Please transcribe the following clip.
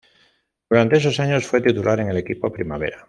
Durante esos años fue titular en el equipo Primavera.